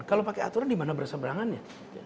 kalau pakai aturan di mana berseberangannya